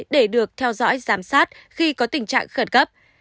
để được theo dõi giám sát khi có tình trạng khẩn cấp